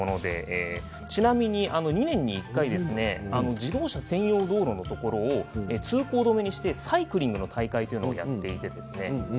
ちなみに２年に１回自動車専用道路を通行止めにしてサイクリングの大会をやっています。